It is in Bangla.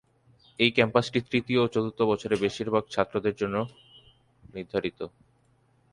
এই ক্যাম্পাসটি তৃতীয় ও চতুর্থ বছরে বেশিরভাগ ছাত্রদের জন্য নির্ধারিত।